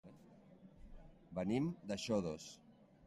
Venim de Xodos.